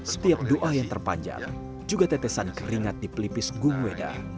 setiap doa yang terpanjang juga tetesan keringat di pelipis gung weda